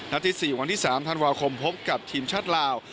ที่๔วันที่๓ธันวาคมพบกับทีมชาติลาว